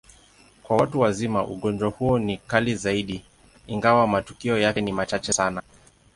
Kwa watu wazima, ugonjwa huo ni kali zaidi, ingawa matukio yake ni machache sana.